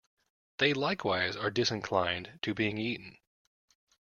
They likewise are disinclined to being eaten.